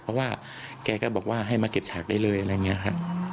เพราะว่าแกก็บอกว่าให้มาเก็บฉากได้เลยอะไรอย่างนี้ครับ